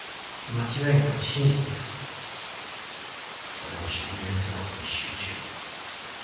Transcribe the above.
それを証明することに集中。